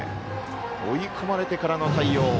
追い込まれてからの対応。